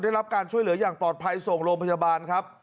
ได้รับการช่วยเหลืออย่างปลอดภัยส่งโรงพยาบาลครับ